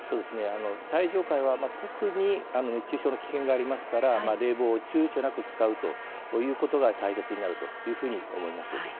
最上階は、特に熱中症の危険がありますから冷房を、ちゅうちょなく使うということが大切になるというふうに思います。